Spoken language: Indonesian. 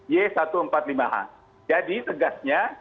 y satu ratus empat puluh lima h jadi tegasnya